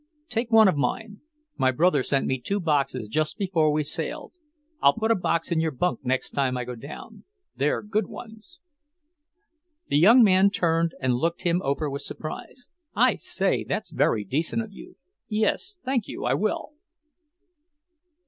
"Take one of mine. My brother sent me two boxes just before we sailed. I'll put a box in your bunk next time I go down. They're good ones." The young man turned and looked him over with surprise. "I say, that's very decent of you! Yes, thank you, I will."